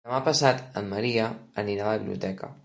Demà passat en Maria anirà a la biblioteca.